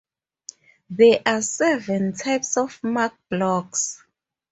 There are seven types of Mark blocks.